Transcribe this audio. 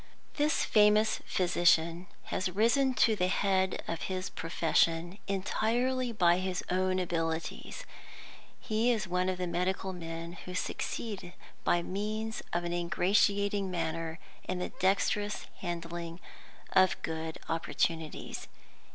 This famous physician has risen to the head of his profession entirely by his own abilities. He is one of the medical men who succeed by means of an ingratiating manner and the dexterous handling of good opportunities.